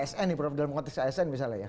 ini prof dalam konteks asn misalnya ya